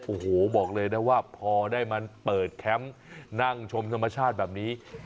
โอ้โหบอกเลยนะว่าพอได้มาเปิดแคมป์นั่งชมธรรมชาติแบบนี้